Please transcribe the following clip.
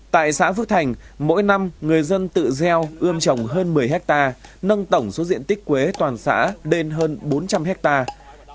tại xã phước thành mỗi năm người dân tự gieo ươm trồng hơn một mươi hectare nâng tổng số diện tích quế toàn xã lên hơn bốn trăm linh hectare